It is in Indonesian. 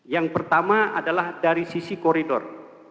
yang pertama adalah dari sisi koridor